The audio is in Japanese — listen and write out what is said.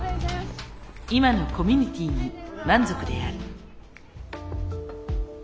今のコミュニティーに満足である。